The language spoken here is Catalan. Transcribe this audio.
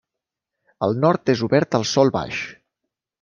Al nord és obert al sòl baix.